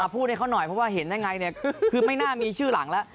พูดให้เขาหน่อยเพราะว่าเห็นได้ไงคือไม่น่ามีชื่อหลังแล้ว